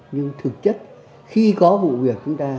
nhưng thực chất khi có vụ việc chúng ta